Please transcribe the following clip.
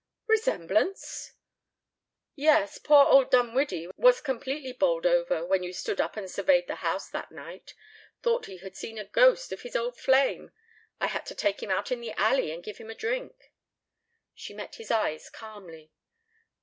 "Resemblance?" "Yes, poor old Dinwiddie was completely bowled over when you stood up and surveyed the house that night. Thought he had seen the ghost of his old flame. I had to take him out in the alley and give him a drink." She met his eyes calmly.